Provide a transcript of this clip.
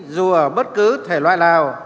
dù ở bất cứ thể loại nào